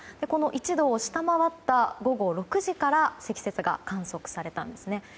この１度を下回った午後６時から積雪が観測されたんですね。